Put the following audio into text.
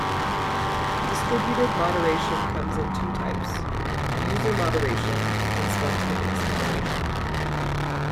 Distributed moderation comes in two types: user moderation and spontaneous moderation.